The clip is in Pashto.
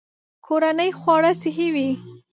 کورني خواړه صحي وي.